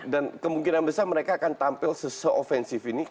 dan kemungkinan besar mereka akan tampil se offensive ini